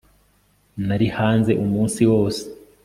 nari hanze umunsi wose